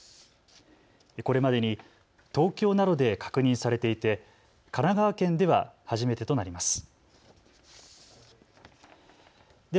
これまでに東京などで確認されていて、神奈川県では初めてとなります。